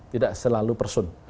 tidak selalu person